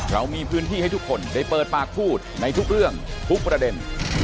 เรามีพื้นที่ให้ทุกคนได้เปิดปากพูดในทุกเรื่องทุกประเด็น